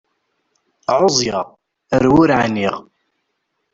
Ɛuẓẓgeɣ, ar wur ɛniɣ.